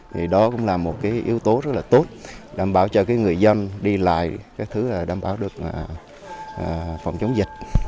thì đó cũng là một yếu tố rất là tốt đảm bảo cho người dân đi lại đảm bảo được phòng chống dịch